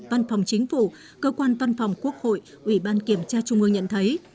văn phòng chính phủ cơ quan văn phòng quốc hội ủy ban kiểm tra trung ương nhận thấy